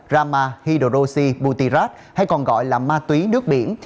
rama hydrosybutyrat hay còn gọi là ma túy nước biển